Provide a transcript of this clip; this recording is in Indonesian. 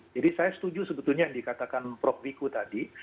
jadi saya setuju sebetulnya yang dikatakan prof viku tadi